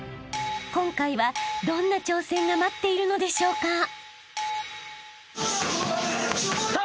［今回はどんな挑戦が待っているのでしょうか？］